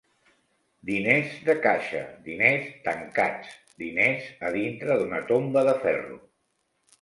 Diners de caixa, diners tancats, diners a dintre d'una tomba de ferro.